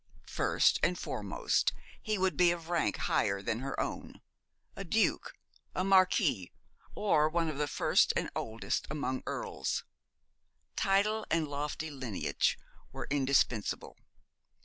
First and foremost, he would be of rank higher than her own a duke, a marquis, or one of the first and oldest among earls. Title and lofty lineage were indispensable.